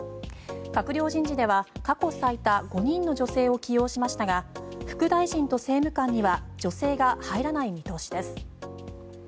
閣僚人事では、過去最多５人の女性を起用しましたが副大臣と政務官には女性が入らない見通しです。